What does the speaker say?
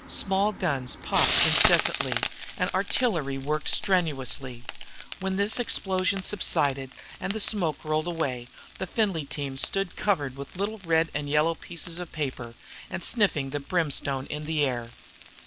Small guns popped incessantly and artillery worked strenuously. When this explosion subsided and the smoke rolled away, the Findlay team stood covered with little red and yellow pieces of paper and sniffing the brimstone in the air.